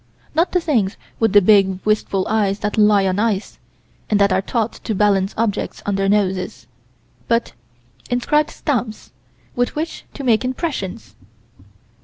Not the things with the big, wistful eyes that lie on ice, and that are taught to balance objects on their noses but inscribed stamps, with which to make impressions.